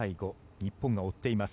日本が追っています。